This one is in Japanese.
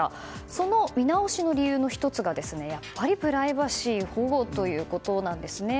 その見直しの理由の１つがやっぱりプライバシー保護ということなんですね。